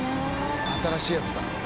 新しいやつだ。